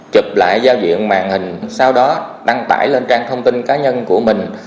chụp lại giao diện màn hình sau đó đăng tải lên trang thông tin cá nhân của mình